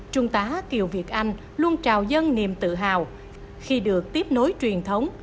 trung tá kiều việt anh luôn trào dân niềm tự hào khi được tiếp nối truyền thống